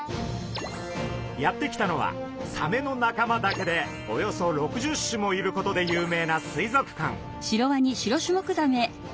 やって来たのはサメの仲間だけでおよそ６０種もいることで有名な水族館。